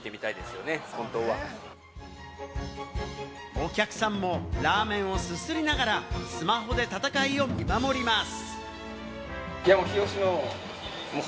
お客さんもラーメンをすすりながらスマホで戦いを見守ります。